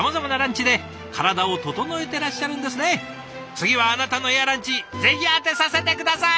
次はあなたのエアランチぜひ当てさせて下さい！